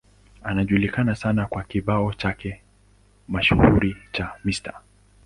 Anajulikana sana kwa kibao chake mashuhuri cha Mr.